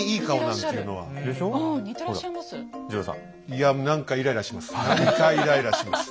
いや何かイライラします。